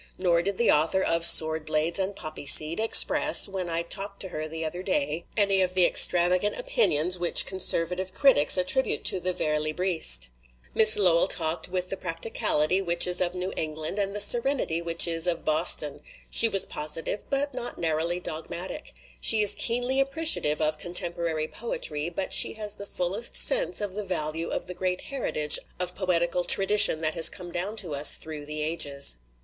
Nor did the author of Sword Blades and Poppy Seed express, when I talked to her the other day, any of the extravagant opinions which conservative critics attribute to the vers libristes. Miss Lowell talked with the practicality which is of New England and the serenity which is of Boston; she was positive, but not narrowly dogmatic; she is keenly appreciative of contemporary poe try, but she has the fullest sense of the value of 2S3 LITERATURE IN THE MAKING the great heritage of poetical tradition that has come down to us through the ages.